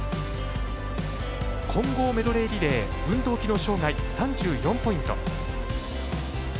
混合メドレーリレー運動機能障がい、３４ポイント。